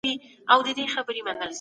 استازو به نړیوال اصول منلي وي.